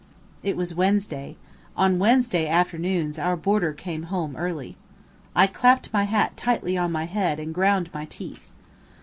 It was Wednesday. On Wednesday afternoons our boarder came home early. I clapped my hat tightly on my head and ground my teeth.